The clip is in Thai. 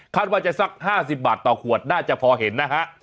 ว่าจะสัก๕๐บาทต่อขวดน่าจะพอเห็นนะฮะ